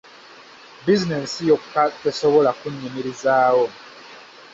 Bizinensi yokka tesobola kunnyimirizaawo.